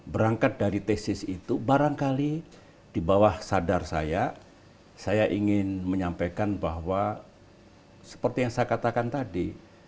berangkat dari tesis itu barangkali di bawah sadar saya saya ingin menyampaikan bahwa seperti yang saya katakan tadi